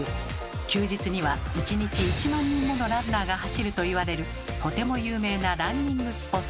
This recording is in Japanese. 休日には１日１万人ものランナーが走るといわれるとても有名なランニングスポット。